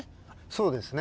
そうですね。